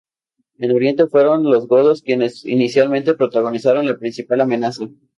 En Oriente fueron los godos quienes inicialmente protagonizaron la principal amenaza.